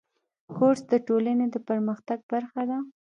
کورس د ټولنې د پرمختګ برخه ده.